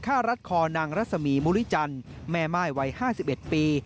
รัดคอนางรัศมีมุริจันทร์แม่ม่ายวัย๕๑ปี